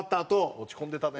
落ち込んでたね。